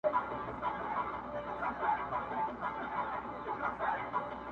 انټرنېټ معلومات ژر خپروي